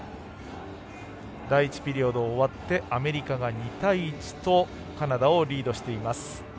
第１ピリオド終わってアメリカが２対１とカナダをリードしています。